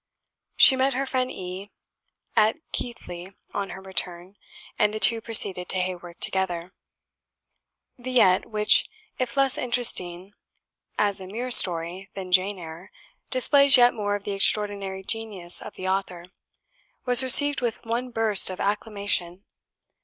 She met her friend E at Keighley, on her return, and the two proceeded to Haworth together. "Villette" which, if less interesting as a mere story than "Jane Eyre," displays yet more of the extraordinary genius of the author was received with one burst of acclamation.